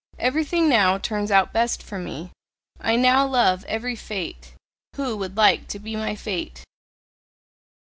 "Everything now turns out best for me, I now love every fate: who would like to be my fate?"